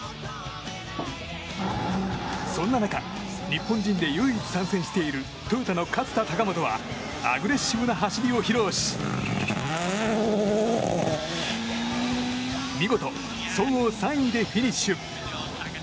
そんな中日本人で唯一参戦しているトヨタの勝田貴元はアグレッシブな走りを披露し見事、総合３位でフィニッシュ。